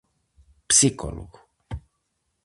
Psicólogo.